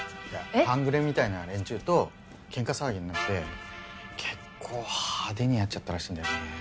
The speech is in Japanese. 半グレみたいな連中と喧嘩騒ぎになって結構派手にやっちゃったらしいんだよね。